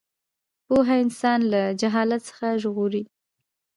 پوهه انسان له جهالت څخه ژغوري.